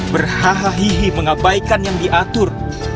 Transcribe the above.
berhaha hihi mengabaikan yang diatur